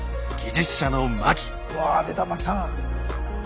うわぁ出た槇さん！